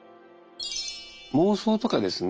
妄想とかですね